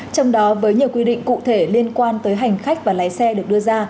trong đó với nhiều quy định cụ thể liên quan tới hành khách và lái xe được đưa ra